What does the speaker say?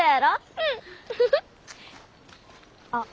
うん。あっ。